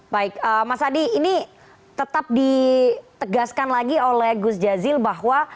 baik mas adi ini tetap ditegaskan lagi oleh gus jazil bahwa